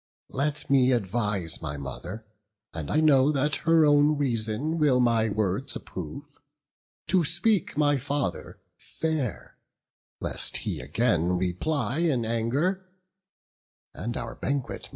Let me advise my mother (and I know That her own reason will my words approve) To speak my father fair; lest he again Reply in anger, and our banquet mar.